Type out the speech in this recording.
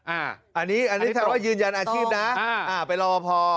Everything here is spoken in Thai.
อ่าอันนี้แถวนั้นสแบบยืนยันอาชีพนะ